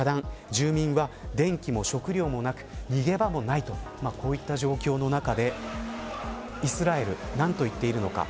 住民は電気も食料もなく逃げ場もないといった状況の中でイスラエル何と言っているのか。